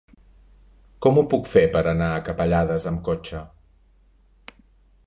Com ho puc fer per anar a Capellades amb cotxe?